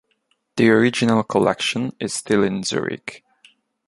The original collection is still in Zurich.